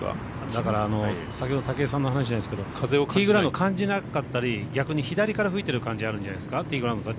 だから、先ほど武井さんの話じゃないですけど風をティーグラウンドを感じなかったり逆に左から吹いてる感じになっちゃうんじゃないですか。